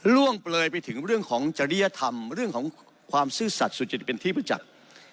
เปลยไปถึงเรื่องของจริยธรรมเรื่องของความซื่อสัตว์สุจริตเป็นที่ประจักษ์